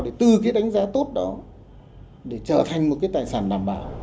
để từ cái đánh giá tốt đó để trở thành một cái tài sản đảm bảo